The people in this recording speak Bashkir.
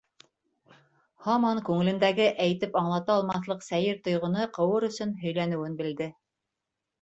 Һаман күңелендәге әйтеп аңлата алмаҫлыҡ сәйер тойғоно ҡыуыр өсөн һөйләнеүен белде: